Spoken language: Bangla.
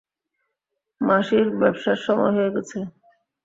মাসির ব্যবসার সময় হয়ে গেছে।